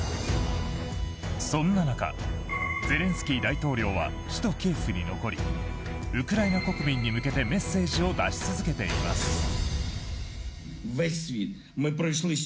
そんな中、ゼレンスキー大統領は首都キエフに残りウクライナ国民に向けてメッセージを出し続けています。